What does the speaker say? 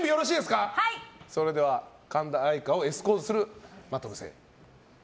それでは神田愛花をエスコートする真飛聖。